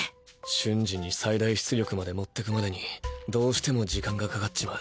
瞬時に最大出力までもってくまでにどうしても時間がかかっちまう。